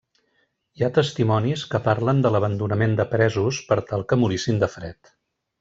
Hi ha testimonis que parlen de l'abandonament de presos per tal que morissin de fred.